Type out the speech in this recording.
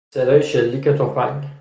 صدای شلیک تفنگ